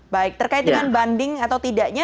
berkait dengan banding atau tidaknya